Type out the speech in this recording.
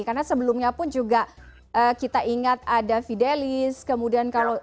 karena sebelumnya pun juga kita ingat ada fidelis kemudian kalau